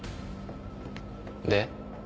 で？